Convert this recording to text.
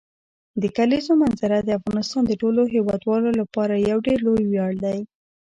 د کلیزو منظره د افغانستان د ټولو هیوادوالو لپاره یو ډېر لوی ویاړ دی.